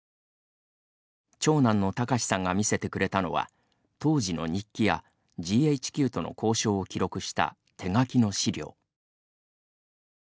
長男の隆司さんが見せてくれたのは当時の日記やＧＨＱとの交渉を記録した手書きの資料。